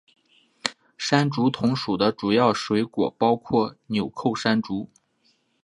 山竹同属的主要水果包括钮扣山竹。